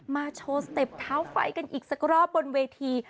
โชว์สเต็ปเท้าไฟกันอีกสักรอบบนเวที